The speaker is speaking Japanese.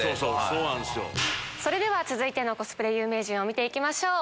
それでは続いてのコスプレ有名人見て行きましょう！